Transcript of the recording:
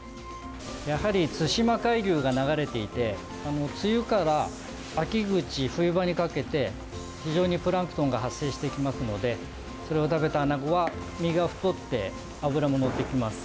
やはり対馬海流が流れていて梅雨から秋口、冬場にかけて非常にプランクトンが発生してきますのでそれを食べたアナゴは身が太って、脂ものってきます。